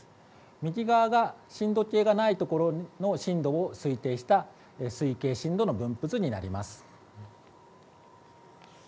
右側が震度計がない所の震度を推定した推計震度の分布図になります。